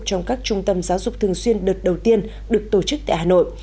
trong các trung tâm giáo dục thường xuyên đợt đầu tiên được tổ chức tại hà nội